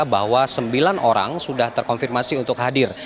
bahwa sembilan orang sudah terkonfirmasi untuk hadir